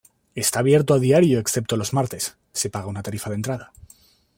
Está abierto a diario excepto los martes, se paga una tarifa de entrada.